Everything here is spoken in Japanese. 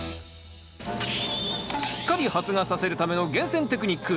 しっかり発芽させるための厳選テクニック。